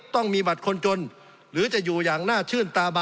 สงบจนจะตายหมดแล้วครับ